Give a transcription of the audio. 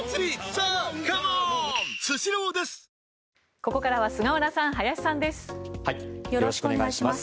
ここからは菅原さん、林さんです。